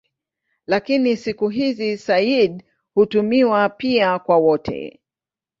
Lakini siku hizi "sayyid" hutumiwa pia kwa wote.